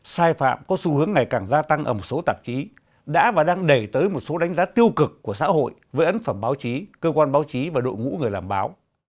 sai phạm có xu hướng ngày càng gia tăng ở một số tạp chí đã và đang đẩy tới một số đánh giá tiêu cực của xã hội với ấn phẩm báo chí cơ quan báo chí và đội ngũ người làm báo